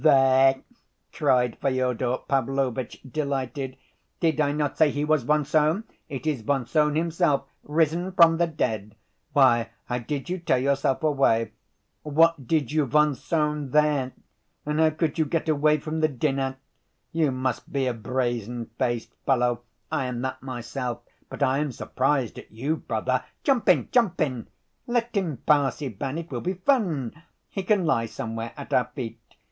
"There!" cried Fyodor Pavlovitch, delighted. "Did I not say he was von Sohn. It is von Sohn himself, risen from the dead. Why, how did you tear yourself away? What did you vonsohn there? And how could you get away from the dinner? You must be a brazen‐faced fellow! I am that myself, but I am surprised at you, brother! Jump in, jump in! Let him pass, Ivan. It will be fun. He can lie somewhere at our feet.